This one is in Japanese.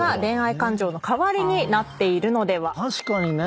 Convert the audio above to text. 確かにね